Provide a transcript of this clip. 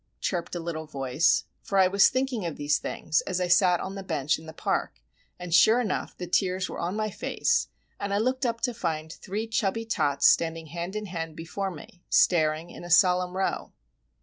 chirped a little voice. For I was thinking of these things as I sat on the bench in the Park; and sure enough the tears were on my face, and I looked up to find three chubby tots standing hand in hand before me, staring in a solemn row.